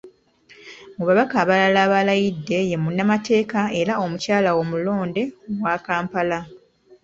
Mu babaka abalala abalayidde ye munnamateeka era omubaka omukyala omulonde owa Kampala.